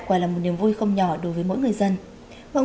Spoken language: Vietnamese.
quả là một niềm vui không nhỏ đối với mỗi người dân